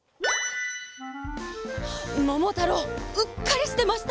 ももたろううっかりしてました。